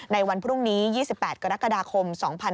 ในวันพรุ่งนี้๒๘กรกฎาคม๒๕๖๒